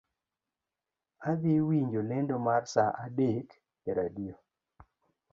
Adhii winjo lendo mar saa adek e radio